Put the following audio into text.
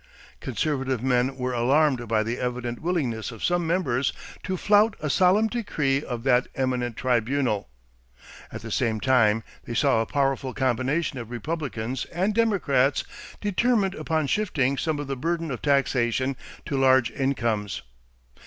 Conservative men were alarmed by the evident willingness of some members to flout a solemn decree of that eminent tribunal. At the same time they saw a powerful combination of Republicans and Democrats determined upon shifting some of the burden of taxation to large incomes.